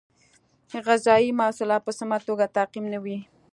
غذایي محصولات په سمه توګه تعقیم نه وي.